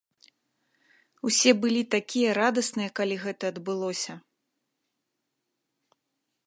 Усе былі такія радасныя, калі гэта адбылося!